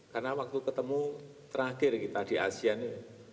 karena waktu ketemu terakhir kita di asia ini